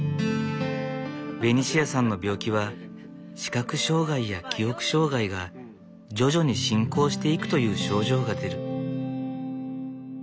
ベニシアさんの病気は視覚障害や記憶障害が徐々に進行していくという症状が出る。